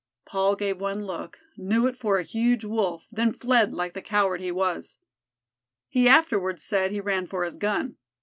Paul gave one look, knew it for a huge Wolf, then fled like the coward he was. He afterward said he ran for his gun.